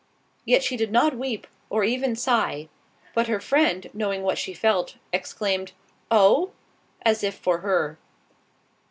Yet she did not weep, or even sigh; but her friend, knowing what she felt, exclaimed, "Oh?" as if for her.